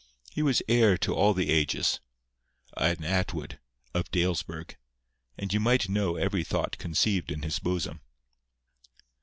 He was heir to all the ages, an Atwood, of Dalesburg; and you might know every thought conceived in his bosom.